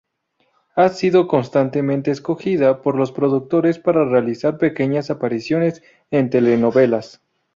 Ha sido constantemente escogida por los productores para realizar pequeñas apariciones en telenovelas.